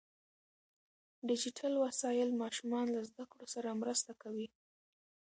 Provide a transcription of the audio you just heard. ډیجیټل وسایل ماشومان له زده کړو سره مرسته کوي.